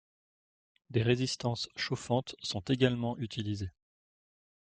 Des résistances chauffantes sont également utilisées.